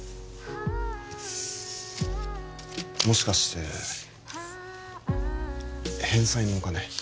もしかして返済のお金？